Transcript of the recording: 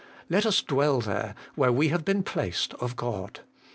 Let us dwell there, where we have been placed of God.